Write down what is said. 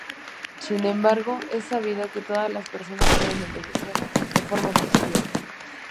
Sin embargo, es sabido que todas las personas pueden envejecer de forma positiva.